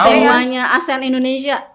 temanya asean indonesia